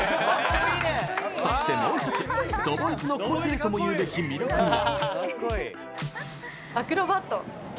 そして、もう一つＴＨＥＢＯＹＺの個性ともいうべき魅力が。